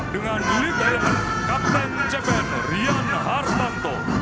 dengan ligayan kapten cpn rian hartanto